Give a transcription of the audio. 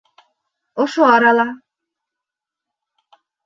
— Ошо арала.